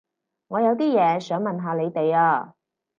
我有啲嘢想問下你哋啊